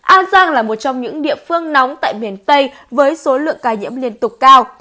an giang là một trong những địa phương nóng tại miền tây với số lượng ca nhiễm liên tục cao